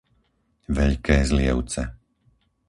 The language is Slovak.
Veľké Zlievce